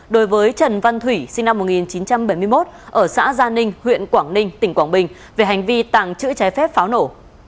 đối với trần văn thủy sinh năm một nghìn chín trăm bảy mươi một ở xã gia ninh huyện quảng ninh tỉnh quảng bình về hành vi tàng trữ trái phép pháo nổ